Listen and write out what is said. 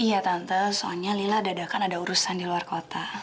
iya tante soalnya lila dadakan ada urusan di luar kota